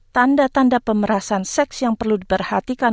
tanda tanda pemerasan seks yang perlu diperhatikan